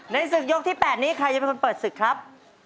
ศึกยกที่๘นี้ใครจะเป็นคนเปิดศึกครับ